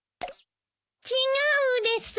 違うです。